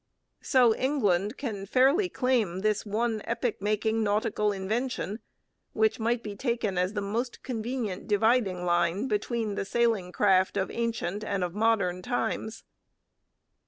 So England can fairly claim this one epoch making nautical invention, which might be taken as the most convenient dividing line between the sailing craft of ancient and of modern times.